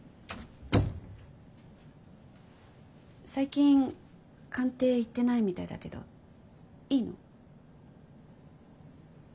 最近官邸行ってないみたいだけどいいの？